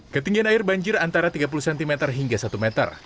ketinggian air banjir antara tiga puluh cm hingga satu meter